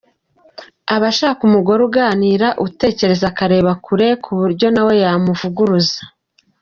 Aba ashaka umugore uganira, utekereza akareba kure ku buryo na we yamuvuguruza.